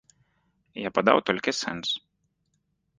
Я падаў толькі сэнс.